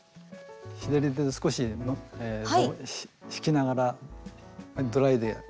左手で少し引きながらドライでやる。